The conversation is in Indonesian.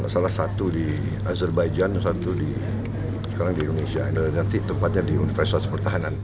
salah satu di azerbaijan salah satu di indonesia nanti tempatnya di universitas pertahanan